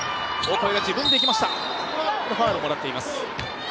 ファウルをもらっています。